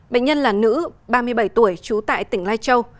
bệnh nhân là nữ ba mươi bảy tuổi trú tại tỉnh lai châu